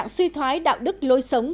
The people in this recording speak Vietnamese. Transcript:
suy thoái đạo đức lối sống